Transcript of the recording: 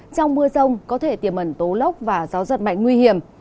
trong mưa rông có thể tiềm ẩn tố lốc và gió giật mạnh nguy hiểm